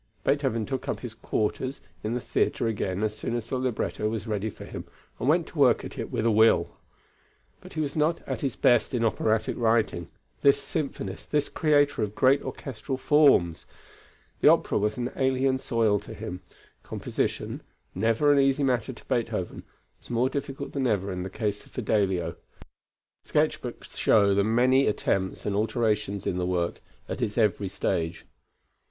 Beethoven took up his quarters in the theatre again as soon as the libretto was ready for him and went to work at it with a will. But he was not at his best in operatic writing, this symphonist, this creator of great orchestral forms. The opera was an alien soil to him; composition never an easy matter to Beethoven, was more difficult than ever in the case of Fidelio. The sketch books show the many attempts and alterations in the work, at its every stage.